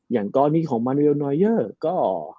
อย่างก้อนี้ของมันวิลนอยเยอะก็